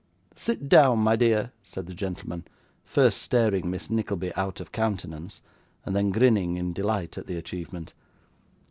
'Sit down, my dear,' said the gentleman: first staring Miss Nickleby out of countenance, and then grinning in delight at the achievement.